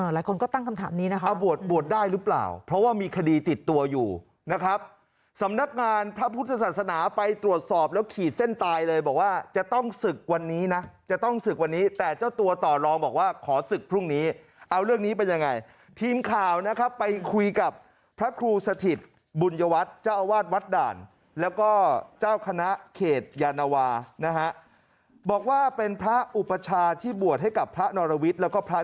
หลายคนก็ตั้งคำถามนี้นะครับบวชได้หรือเปล่าเพราะว่ามีคดีติดตัวอยู่นะครับสำนักงานพระพุทธศาสนาไปตรวจสอบแล้วขีดเส้นตายเลยบอกว่าจะต้องศึกวันนี้นะจะต้องศึกวันนี้แต่เจ้าตัวต่อลองบอกว่าขอศึกพรุ่งนี้เอาเรื่องนี้เป็นยังไงทีมข่าวนะครับไปคุยกับพระครูสถิตย์บุญวัฒน์เจ้าอาวาสวัต